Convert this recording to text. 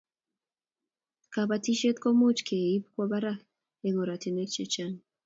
Kabatishet ko much ke ib kwo barak eng' oratinwek che chang'